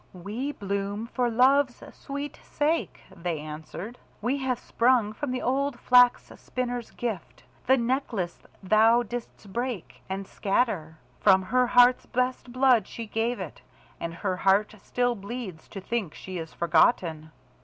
"We bloom for love's sweet sake," they answered. "We have sprung from the old Flax spinner's gift the necklace thou didst break and scatter. From her heart's best blood she gave it, and her heart still bleeds to think she is forgotten."